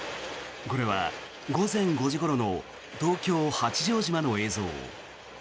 これは午前５時ごろの東京・八丈島の映像。